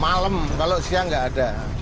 malam kalau siang nggak ada